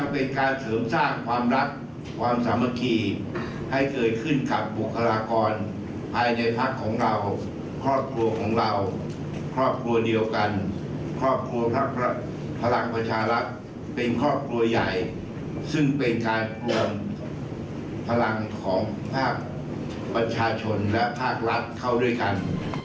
เป็นการปลวงพลังของภาคประชาชนและภาครัฐเข้าด้วยกัน